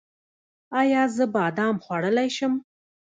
ایا زه بادام خوړلی شم؟